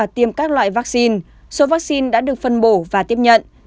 tiêm các loại vaccine số vaccine đã được phân bổ và tiếp nhận